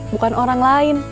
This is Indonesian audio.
bukan orang lain